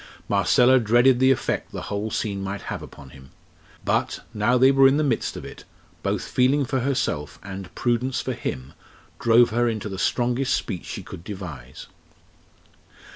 Marcella dreaded the effect the whole scene might have upon him; but, now they were in the midst of it, both feeling for herself and prudence for him drove her into the strongest speech she could devise.